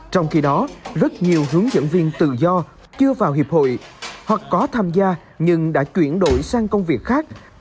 trong khi đó rất nhiều hướng dẫn viên tự do chưa vào hiệp hội hoặc có tham gia nhưng đã chuyển đổi sang công việc khác